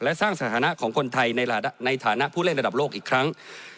และสร้างสถานะของคนไทยในฐานะผู้เล่นระดับโลกอีกครั้ง